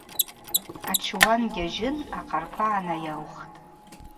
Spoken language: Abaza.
Ачуан гьажьын ахъарпа гӏанайаухтӏ.